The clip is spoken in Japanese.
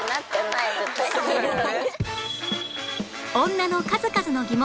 女の数々の疑問